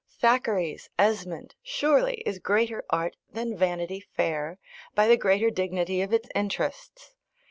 Thackeray's Esmond, surely, is greater art than Vanity Fair, by the greater dignity of its interests.